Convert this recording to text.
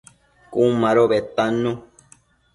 Cun mado bedtannu